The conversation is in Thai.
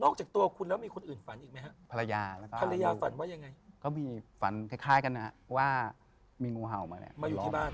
คุณก็เลยคิดว่ามันเป็นแค่ฝัน